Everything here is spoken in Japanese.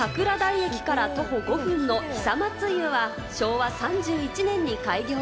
桜台駅から徒歩５分の久松湯は、昭和３１年に開業。